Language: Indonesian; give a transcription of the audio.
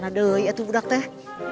amana deh iya tuh budak teh